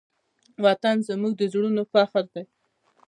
وطن زموږ د زړونو فخر دی.